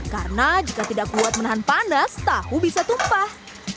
karena jika tidak kuat menahan panas tahu bisa tumpah